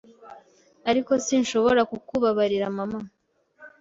ariko sinshobora kubabarira mama,